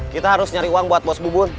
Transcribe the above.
kita harus nyari uang buat bos bubun